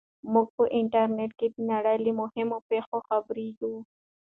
موږ په انټرنیټ کې د نړۍ له مهمو پېښو خبریږو.